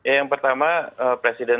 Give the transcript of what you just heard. yang pertama presiden